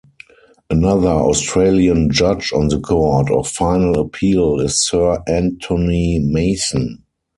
Another Australian judge on the Court of Final Appeal is Sir Anthony Mason.